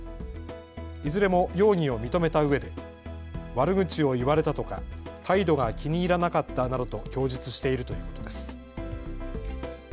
いずれも容疑を認めたうえで悪口を言われたとか態度が気に入らなかったなどと供述しているということです。